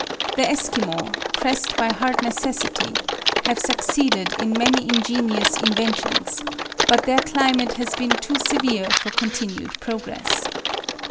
The Esquimaux, pressed by hard necessity, have succeeded in many ingenious inventions, but their climate has been too severe for continued progress.